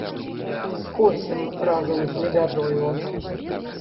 Скосім разам з лебядою.